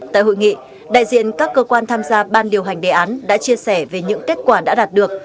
tại hội nghị đại diện các cơ quan tham gia ban điều hành đề án đã chia sẻ về những kết quả đã đạt được